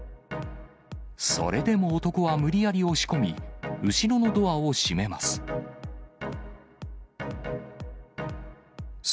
それでも男は無理やり押し込み、後ろのドアを閉めます。